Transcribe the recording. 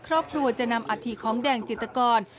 ครอบครัวจะนำอัฐิของแดงจิตกร